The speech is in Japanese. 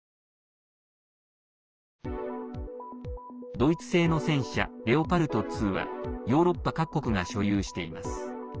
ドイツ製の戦車レオパルト２はヨーロッパ各国が所有しています。